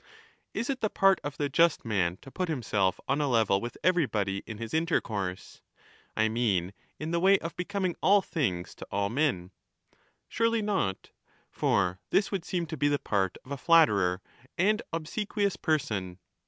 Is it the part of the just man to put himself on a level with everybody in his intercourse (I mean in the way of '5 becoming all things to all men) ? Surely not I For this would seem to be the part of a flatterer and obsequious person.